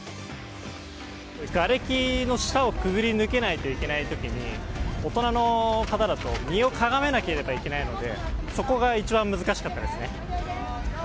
がれきの下をくぐり抜けないといけないときに大人の方だと身をかがめなければいけないのでそこが一番難しかったですね。